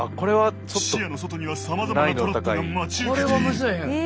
視野の外にはさまざまなトラップが待ち受けている！